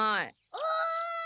・おい！